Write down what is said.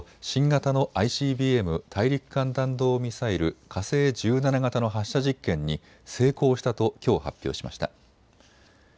新型のＩＣＢＭ・大陸間弾道ミサイル火星１７型の発射実験に成功したときょう発表しました。